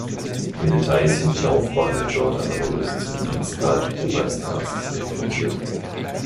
Im Detail sind die Laufbahnen dort aber nur bis zum Dienstgrad Oberstarzt reglementiert.